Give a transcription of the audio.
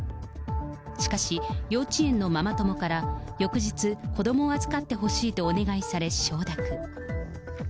しかし、幼稚園のママ友から翌日、子どもを預かってほしいとお願いされ、承諾。